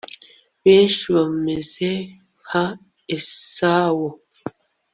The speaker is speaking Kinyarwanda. Benshi bameze nka Esawu